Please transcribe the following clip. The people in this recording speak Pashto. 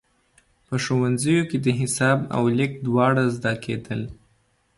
په ښوونځیو کې د حساب او لیک دواړه زده کېدل.